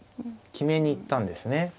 決めに行ったんですね。